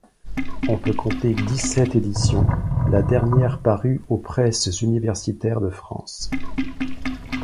On peut compter dix-sept éditions, la dernière parue aux Presses universitaires de France.